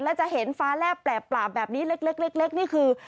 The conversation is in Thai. แล้วจะเห็นฟ้าแลบแปลกแบบนี้เล็กนี่คือ